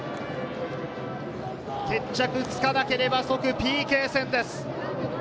決着つかなければ即ＰＫ戦です。